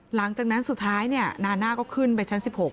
หลังจากนั้นสุดท้ายนาน่าก็ขึ้นไปชั้น๑๖